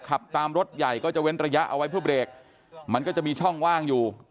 ขับตามรถใหญ่ก็จะเว้นระยะเอาไว้เพื่อเบรกมันก็จะมีช่องว่างอยู่